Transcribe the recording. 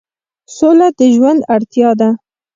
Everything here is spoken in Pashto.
سوله د ژوند اړتیا ده